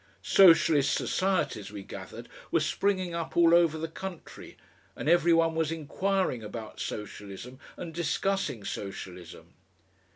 Socialist societies, we gathered, were springing up all over the country, and every one was inquiring about Socialism and discussing Socialism.